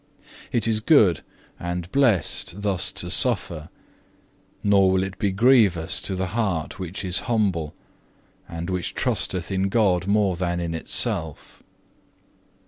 It is good and blessed thus to suffer; nor will it be grievous to the heart which is humble, and which trusteth in God more than in itself.